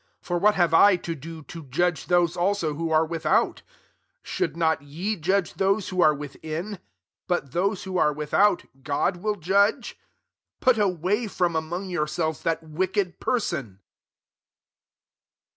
12 For what have I to do to jadge those [fl/»o] who are without ? Should not ye judge those who are within ? 13 but those who are without, God will judge? Put away from among yourselves that wicked person.